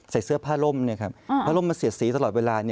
ใส่เสื้อผ้าร่มผ้าร่มมันเสียสีตลอดเวลา